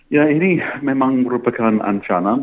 ya ini memang merupakan ancaman